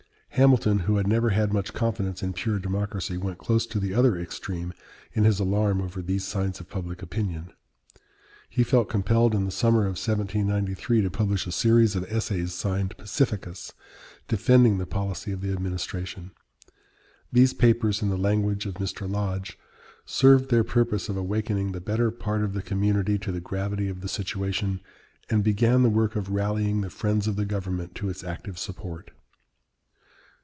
Hamilton, who never had much confidence in pure democracy, went close to the other extreme in his alarm over these signs of public opinion. He felt compelled in the summer of 1793 to publish a series of essays signed "Pacificus," defending the policy of the administration. These papers, in the language of Mr, Lodge, "served their purpose of awakening the better part of the community to the gravity of the situation, and began the work of rallying the friends of the government to its active support."